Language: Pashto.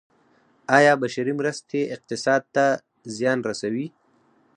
آیا بشري مرستې اقتصاد ته زیان رسوي؟